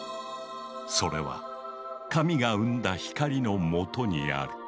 それは神が生んだ光のもとにある。